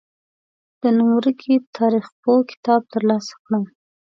د نوم ورکي تاریخپوه کتاب تر لاسه کړم.